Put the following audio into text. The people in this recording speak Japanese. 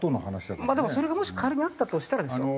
まあでもそれがもし仮にあったとしたらですよ。